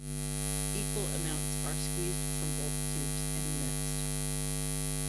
Equal amounts are squeezed from both tubes and mixed.